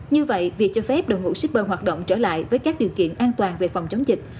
như vậy việc cho phép đội ngũ shipper hoạt động trở lại với các điều kiện an toàn về phòng chống dịch